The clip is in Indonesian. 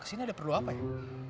kesini ada perlu apa ya